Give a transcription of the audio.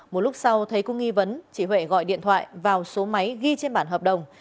một lúc sau thấy có nghi vấn chị huệ gọi điện thoại vào số máy ghi trên bản hợp đồng